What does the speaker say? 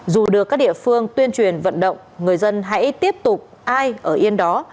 dù được các địa phương tuyên truyền vận động người dân hãy tiếp tục ai ở yên đó